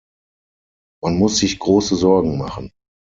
Man muss sich große Sorgen machen.